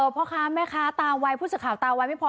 พ่อค้าแม่ค้าตาไวพูดสิทธิ์ข่าวตาไวไม่พอ